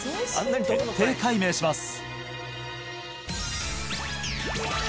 徹底解明します！